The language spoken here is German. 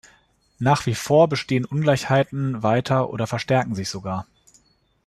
Nach wie vor bestehen Ungleichheiten weiter oder verstärken sich sogar.